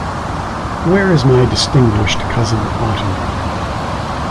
Where is my distinguished cousin Autumn?